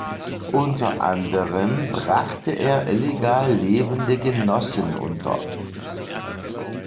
Unter anderem brachte er illegal lebende Genossen unter.